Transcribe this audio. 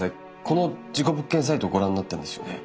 この事故物件サイトをご覧になったんですよね？